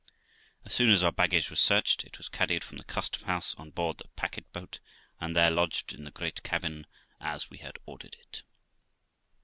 As soon as our baggage was searched, it was carried from the Custom house on board the packet boat, and there lodged in the great cabin as we had ordered it.